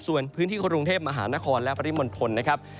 ส่วนพื้นที่กรุงเทพมหานครและปริมณฑลนะครับ